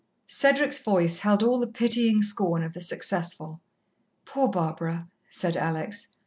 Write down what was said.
Cedric's voice held all the pitying scorn of the successful. "Poor Barbara," said Alex.